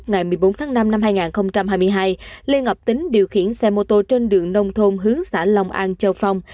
ngày một mươi bốn tháng năm năm hai nghìn hai mươi hai lê ngọc tính điều khiển xe mô tô trên đường nông thôn hướng xã long an châu phong